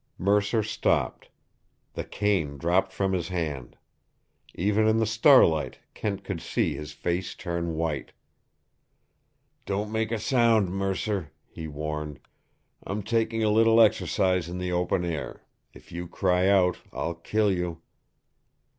Mercer stopped. The cane dropped from his hand. Even in the starlight Kent could see his face turn white. "Don't make a sound, Mercer," he warned. "I'm taking a little exercise in the open air. If you cry out, I'll kill you!"